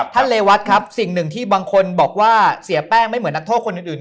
เรวัตครับสิ่งหนึ่งที่บางคนบอกว่าเสียแป้งไม่เหมือนนักโทษคนอื่น